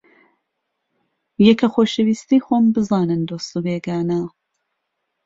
یەکە خۆشەویستی خۆم بزانن دۆست و بێگانە